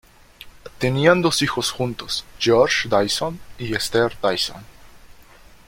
Tenían dos hijos juntos, George Dyson y Esther Dyson.